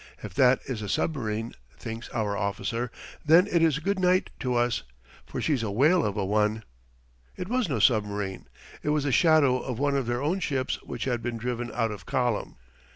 "If that is a submarine," thinks our officer, "then it is good night to us, for she's a whale of a one!" It was no submarine. It was the shadow of one of their own ships which had been driven out of column.